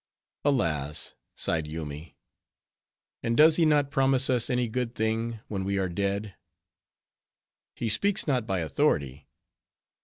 "Alas," sighed Yoomy, "and does he not promise us any good thing, when we are dead?" "He speaks not by authority.